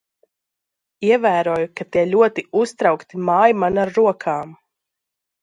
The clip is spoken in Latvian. Ievēroju, ka tie ļoti uztraukti māj man ar rokām.